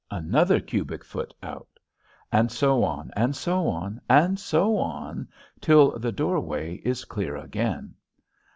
another cubic foot out. And so on, and so on, and so on, till the doorway is clear again.